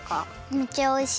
めっちゃおいしい。